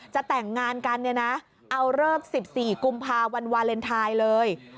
จะแต่งงานกันเนี่ยนะเอาเลิก๑๔กุมภาวันวาเลนไทยเลย